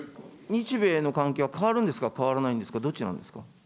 日米の関係は変わるんですか、変わらないんですか、どっちなんですか。